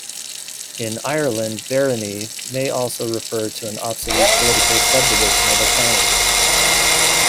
In Ireland, "barony" may also refer to an obsolete political subdivision of a county.